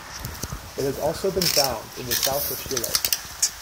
It has also been found in the south of Chile.